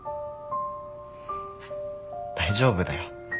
大丈夫だよ。